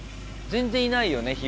全然いないよね